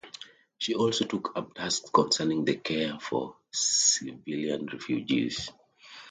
She also took up tasks concerning the care for civilian refugees.